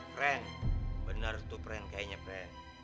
pren bener tuh pren kayaknya be